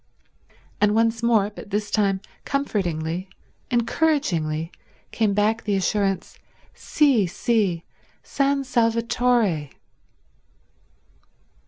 And once more, but this time comfortingly, encouragingly, came back the assurance, "Sì, sì—San Salvatore."